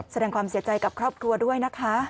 แสดงความเสียใจกับครอบครัวด้วยนะคะ